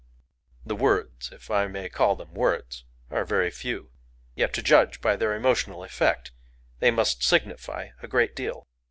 The words—(if I may call them words)—are very few; yet, to judge by their emotional effect, they must signify a great deal.